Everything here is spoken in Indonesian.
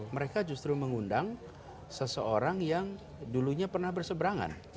mereka justru mengundang seseorang yang dulunya pernah berseberangan